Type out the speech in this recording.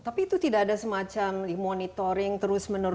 tapi itu tidak ada semacam monitoring terus menerus